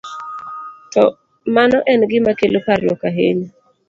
to mano en gima kelo parruok ahinya.